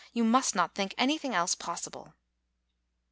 You must not think anything else possible."